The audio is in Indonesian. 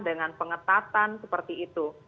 dengan pengetatan seperti itu